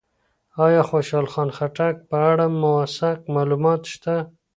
ایا خوشحال خان خټک په اړه موثق معلومات شته؟